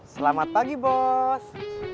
selamat pagi bos